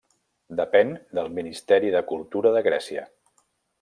Depèn del Ministeri de Cultura de Grècia.